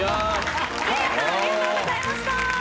せいやさんありがとうございました！